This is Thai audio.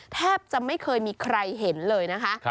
แทบจะไม่เคยมีใครเห็นเลยนะคะ